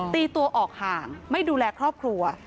ตีตัวออกห่างไม่ดูแลครอบครัว